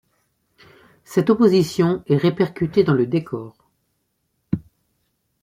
Cette opposition est répercutée dans le décor.